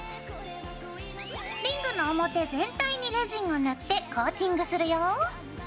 リングの表全体にレジンを塗ってコーティングするよ。